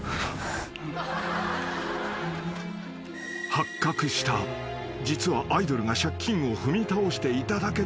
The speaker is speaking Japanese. ［発覚した実はアイドルが借金を踏み倒していただけという事実］